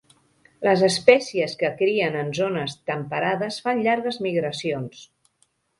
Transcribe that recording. Les espècies que crien en zones temperades fan llargues migracions.